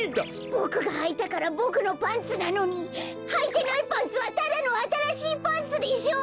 ボクがはいたからボクのパンツなのにはいてないパンツはただのあたらしいパンツでしょう！